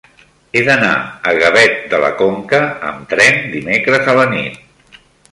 He d'anar a Gavet de la Conca amb tren dimecres a la nit.